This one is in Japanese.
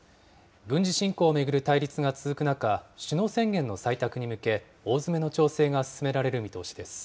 軍事侵攻を巡る対立が続く中、首脳宣言の採択に向け、大詰めの調整が進められる見通しです。